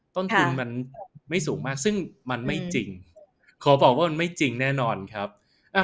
ต้นทุนมันไม่สูงมากซึ่งมันไม่จริงขอบอกว่ามันไม่จริงแน่นอนครับ